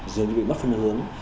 dường như bị bất phân hướng